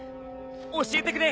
教えてくれ！